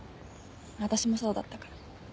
私もそうだったから。